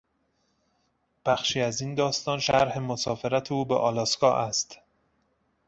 بخشی از این داستان شرح مسافرت او به آلاسکا است.